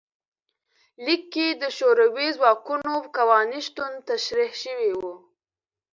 لیک کې د شوروي ځواکونو قانوني شتون تشریح شوی و.